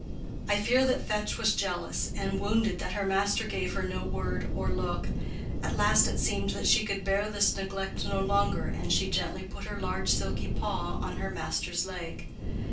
I fear that Fetch was jealous, and wounded that her master gave her no word or look; at last it seemed that she could bear this neglect no longer, and she gently put her large silky paw on her master's leg.